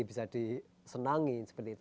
bisa disenangi seperti itu